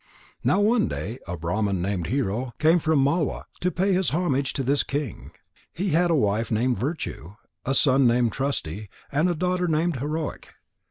Now one day a Brahman named Hero came from Malwa to pay his homage to this king. He had a wife named Virtue, a son named Trusty, and a daughter named Heroic.